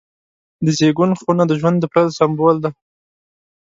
د زیږون خونه د ژوند د پیل سمبول دی.